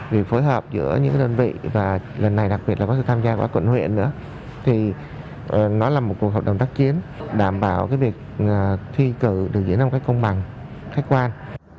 vì phối hợp giữa những đơn vị và lần này đặc biệt là các tham gia của quận huyện nữa thì nó là một cuộc hợp đồng tác chiến đảm bảo việc thi cử được diễn ra một cách công bằng khách quan